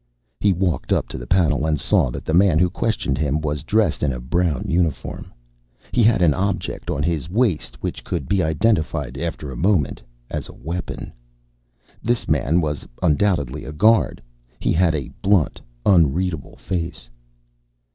He walked up to the panel, and saw that the man who questioned him was dressed in a brown uniform. He had an object on his waist which could be identified, after a moment, as a weapon. This man was undoubtedly a guard. He had a blunt, unreadable face.